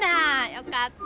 よかった。